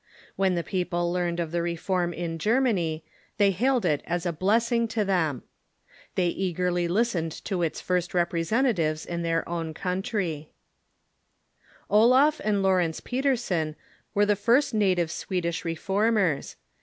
When the peo2:)le learned of the Reform in Germany, they hailed it as a blessing to them. They eagerly listened to its first representatives in their own countr^^ Olaf and Laurence Petersen were the first native Swedish Reformers.